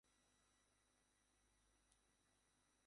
তুমি আজ সকালে আমাকে পিশাচ ডাকছিলে কেন?